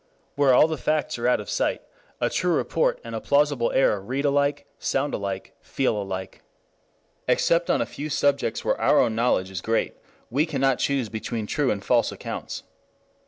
Where all the facts are out of sight a true report and a plausible error read alike, sound alike, feel alike. Except on a few subjects where our own knowledge is great, we cannot choose between true and false accounts.